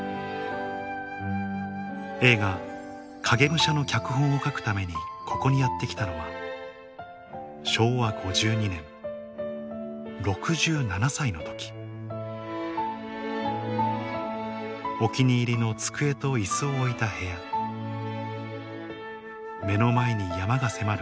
映画『影武者』の脚本を書くためにここにやって来たのは昭和５２年６７歳の時お気に入りの机と椅子を置いた部屋目の前に山が迫る